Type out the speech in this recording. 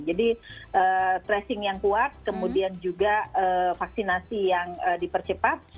jadi tracing yang kuat kemudian juga vaksinasi yang dipercepat